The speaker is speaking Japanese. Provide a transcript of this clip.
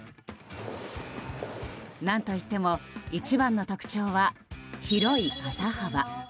何といっても一番の特徴は広い肩幅。